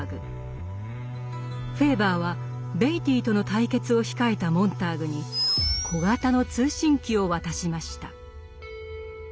フェーバーはベイティーとの対決を控えたモンターグに小型の通信機を渡しました。